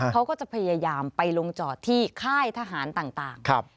เขาก็จะพยายามไปลงจอดที่ค่ายทหารต่าง